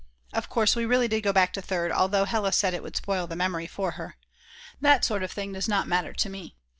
Of course we really did go back third, although Hella said it would spoil the memory for her. That sort of thing does not matter to me.